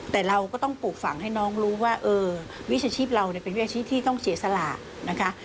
แต่เราก็ต้องปลูกฝังให้น้องรู้ว่าวิชาชีพเราเป็นวิชาชีพที่ต้องเสียสละนะคะ